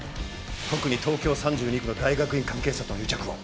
特に東京３２区の大学院関係者との癒着を。